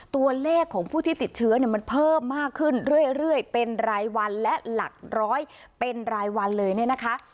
ตัวเลขของผู้ที่ติดเชื้อเนี่ยมันเพิ่มมากขึ้นเรื่อยเป็นรายวันและหลักร้อยเป็นรายวันเลยเนี่ยนะคะ